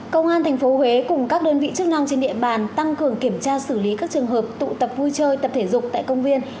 công an tp huế cùng các đơn vị chức năng trên địa bàn tăng cường kiểm tra xử lý các trường hợp tụ tập vui chơi tập thể dục tại công viên